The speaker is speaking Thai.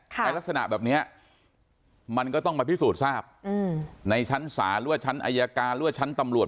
ในลักษณะแบบนี้มันก็ต้องมาพิสูจน์ทราบในชั้นศาลหรือว่าชั้นอายการหรือว่าชั้นตำรวจ